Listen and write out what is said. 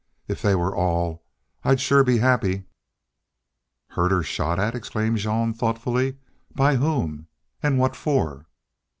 If they were all, I'd shore be happy." "Herders shot at!" exclaimed Jean, thoughtfully. "By whom? An' what for?"